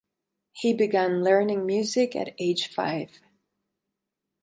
He began learning music at age five.